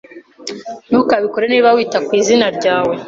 Ntukabikore niba wita ku izina ryawe.